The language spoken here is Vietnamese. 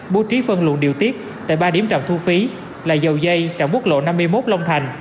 bố trí phân luận điều tiết tại ba điểm trạm thu phí là dầu dây trạm quốc lộ năm mươi một long thành